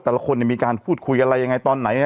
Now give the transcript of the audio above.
แต่ละคนมีการพูดคุยอะไรยังไงตอนไหน